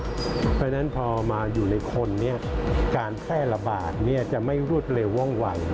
เพราะฉะนั้นพอมาอยู่ในคนการแพร่ระบาดจะไม่รวดเร็วว่องวัย